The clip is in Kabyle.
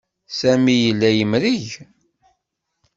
Sami yella yemreg.